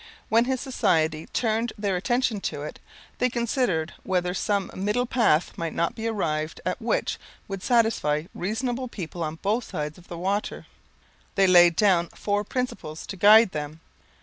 When his Society turned their attention to it, they considered whether some middle path might not be arrived at which would satisfy reasonable people on both sides of the water. They laid down four principles to guide them.